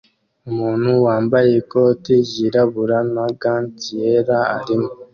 Umuntu wambaye ikoti ryirabura na gants yera arimo